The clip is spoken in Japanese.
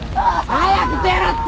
早く出ろって！